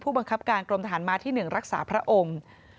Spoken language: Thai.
บังคับการกรมทหารม้าที่๑รักษาพระองค์